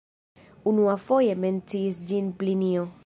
Unuafoje menciis ĝin Plinio.